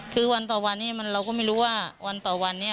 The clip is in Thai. คือวันต่อวันนี้เราก็ไม่รู้ว่าวันต่อวันนี้